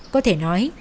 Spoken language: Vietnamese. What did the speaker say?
có thể nói